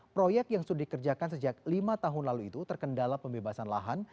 proyek yang sudah dikerjakan sejak lima tahun lalu itu terkendala pembebasan lahan